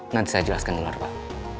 nanti saya jelaskan dengar pak